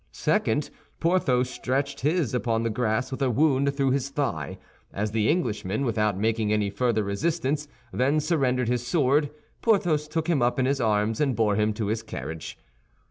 Second, Porthos stretched his upon the grass with a wound through his thigh, As the Englishman, without making any further resistance, then surrendered his sword, Porthos took him up in his arms and bore him to his carriage.